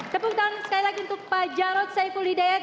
tepuk tangan sekali lagi untuk pak jarod saiful hidayat